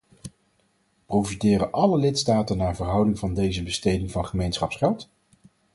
Profiteren alle lidstaten naar verhouding van deze besteding van gemeenschapsgeld?